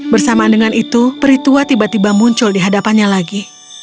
bersamaan dengan itu peritua tiba tiba muncul di hadapannya lagi